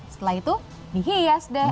setelah itu dihias deh